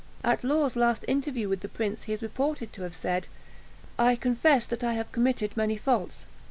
At Law's last interview with the prince, he is reported to have said, "I confess that I have committed many faults.